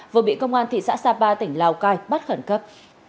vừa bị công an thị xã sapa tỉnh lào cai bắt khẩn cấp